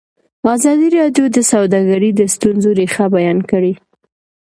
ازادي راډیو د سوداګري د ستونزو رېښه بیان کړې.